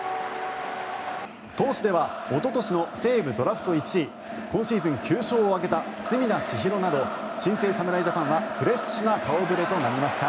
投手ではおととしの西武ドラフト１位今シーズン９勝を挙げた隅田知一郎など新生侍ジャパンはフレッシュな顔触れとなりました。